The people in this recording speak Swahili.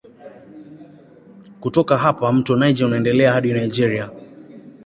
Kutoka hapa mto Niger unaendelea hadi Nigeria.